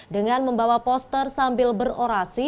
dengan membawa poster sambil berorasi